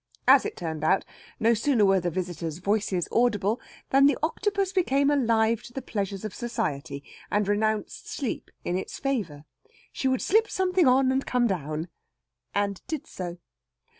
As it turned out, no sooner were the visitors' voices audible than the Octopus became alive to the pleasures of society, and renounced sleep in its favour. She would slip something on and come down, and did so.